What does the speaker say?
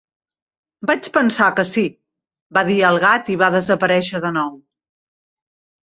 "Vaig pensar que sí", va dir el gat i va desaparèixer de nou.